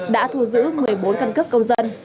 đã thu giữ một mươi bốn căn cấp công dân